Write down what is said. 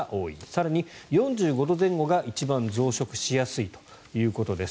更に４５度前後が一番増殖しやすいということです。